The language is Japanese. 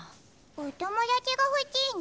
お友達がほしいの？